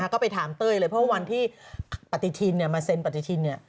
ก็ไปถามเต้ยเลยเพราะวันที่ปฏิทินมาเซ็นปฏิทิน